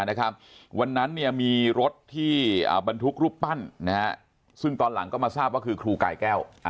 วันนั้นมีรถที่บรรทุกรูปปั้นซึ่งตอนหลังก็มาทราบว่าคือครูกายแก้ว